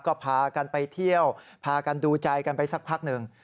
ก็พากันไปเที่ยวพากันดูใจกันไปสักพักหนึ่ง